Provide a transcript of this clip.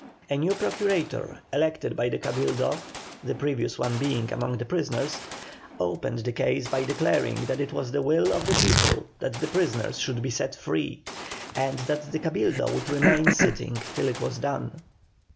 A new Procurator, elected by the Cabildo, the previous one being among the prisoners, opened the case by declaring that it was the will of the people that the prisoners should be set free, and that the Cabildo would remain sitting till it was done.